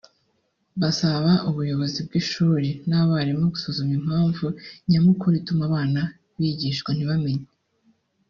basaba ubuyobozi bw’ishuri n’abarimu gusuzuma impamvu nyamukuru ituma abana bigishwa ntibamenye